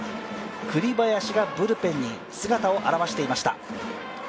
栗林がブルペンに姿を現していました。